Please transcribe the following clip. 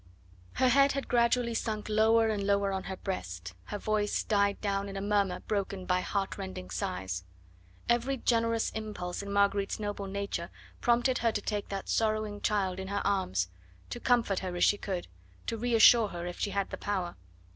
Her head had gradually sunk lower and lower on her breast, her voice died down in a murmur broken by heartrending sighs. Every generous impulse in Marguerite's noble nature prompted her to take that sorrowing child in her arms, to comfort her if she could, to reassure her if she had the power.